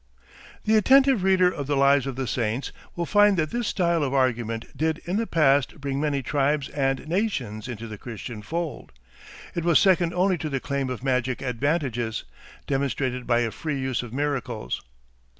The attentive reader of the lives of the Saints will find that this style of argument did in the past bring many tribes and nations into the Christian fold. It was second only to the claim of magic advantages, demonstrated by a free use of miracles.